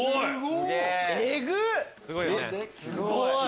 すごい！